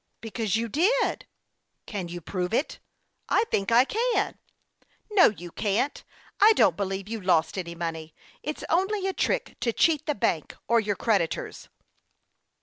" Because you did." " Can you prove it ?"" I think we can." " No, you can't. I don't helieve you lost any money. It's only a trick to cheat the bank or your creditors."